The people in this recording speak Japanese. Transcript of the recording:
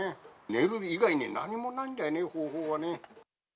寝る以外に何もないんだよね、方法がね。